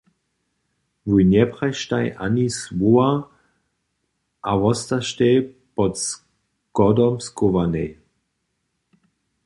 Wój njeprajištaj ani słowa a wostaštej pod schodom schowanej.